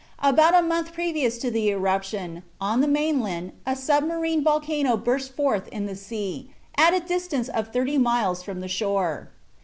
About a month previous to the eruption on the main land a submarine volcano burst forth in the sea, at a distance of thirty miles from the shore.